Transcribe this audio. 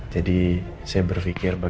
harus beli sampai pihak nya